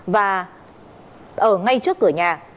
và ở ngay trước cửa nhà